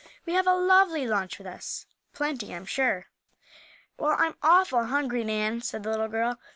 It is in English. "We have a lovely lunch with us; plenty, I'm sure." "Well, I'm awful hungry, Nan," said the little girl.